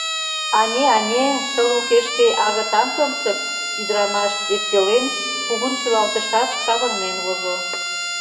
— Ане-ане, шыл укеште, агытан томсык... — ӱдырамаш, ӧпкелен, кугун шӱлалтышат, савырнен возо.